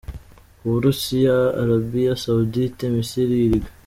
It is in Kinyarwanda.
U Burusiya, Arabia Saoudite, Misiri, Uruguay